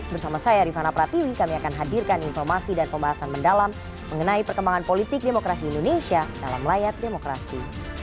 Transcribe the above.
bersama saya rifana pratiwi kami akan hadirkan informasi dan pembahasan mendalam mengenai perkembangan politik demokrasi indonesia dalam layar demokrasi